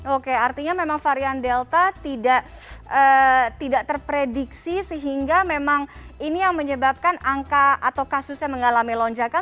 oke artinya memang varian delta tidak terprediksi sehingga memang ini yang menyebabkan angka atau kasusnya mengalami lonjakan